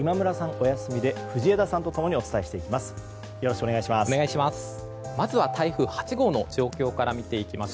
お休みで藤枝さんと共にお伝えしていきます。